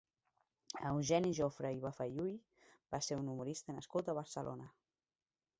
Eugeni Jofra i Bafalluy va ser un humorista nascut a Barcelona.